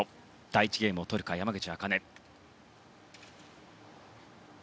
第１ゲームを取るか、山口茜。